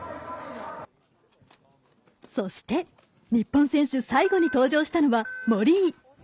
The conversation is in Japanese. そして、日本選手最後に登場したのは森井。